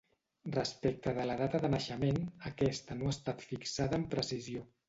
Respecte de la data de naixement, aquesta no ha estat fixada amb precisió.